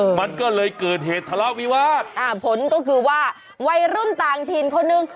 มันก็เลยเกิดเหตุทะเลาะวิวาสอ่าผลก็คือว่าวัยรุ่นต่างถิ่นคนหนึ่ง